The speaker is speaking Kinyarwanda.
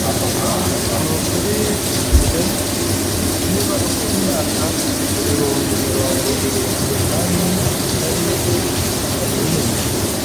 nukuri igihe. niba ufite imyaka ibihumbi mirongo irindwi, kandi nari ibinini